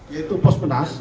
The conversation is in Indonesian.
yaitu pos penas